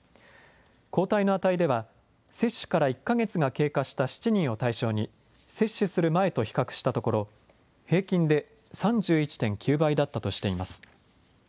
抗体の値では接種から１か月が経過した７人を対象に接種する前と比較したところ平均で３１．９倍だったとしています。